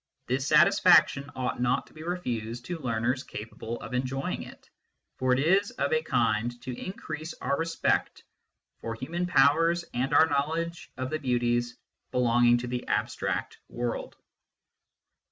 This satisfaction ought not to be refused to learners capable of enjoying it, for it is of a kind to increase our respect for human powers and our knowledge of the beauties belonging to the abstract world.